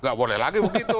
nah gak boleh lagi begitu